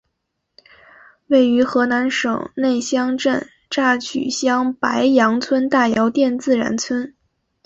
位于河南省内乡县乍曲乡白杨村大窑店自然村。